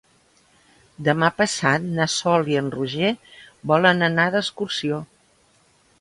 Demà passat na Sol i en Roger volen anar d'excursió.